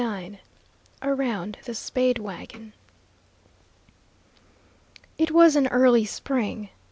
IX AROUND THE SPADE WAGON It was an early spring.